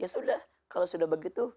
ya sudah kalau sudah begitu